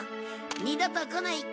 二度と来ない